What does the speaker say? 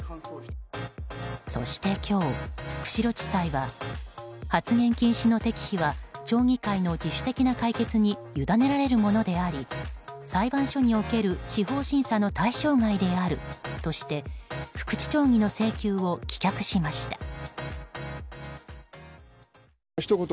そして今日、釧路地裁は発言禁止の適否は町議会の自主的な解決に委ねられるものであり裁判所における司法審査の対象外であるとして福地町議の請求を棄却しました。